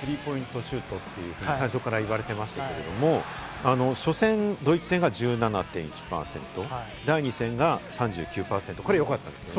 カギはスリーポイントシュートと最初から言われていましたけれども、初戦、ドイツ戦が１７．１％、第２戦が３９．３％、これ良かったんですよね。